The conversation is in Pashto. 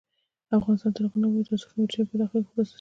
افغانستان تر هغو نه ابادیږي، ترڅو قیمتي ډبرې په داخل کې پروسس نشي.